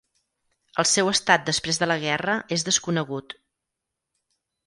El seu estat després de la guerra és desconegut.